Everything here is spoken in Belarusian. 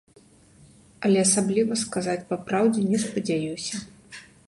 Але асабліва, сказаць па праўдзе, не спадзяюся.